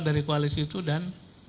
dari koalisi itu dan